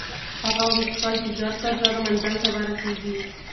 هغه غوښتل چې ژر تر ژره منزل ته ورسېږي.